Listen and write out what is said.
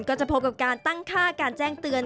ก็จะพบกับการตั้งค่าการแจ้งเตือน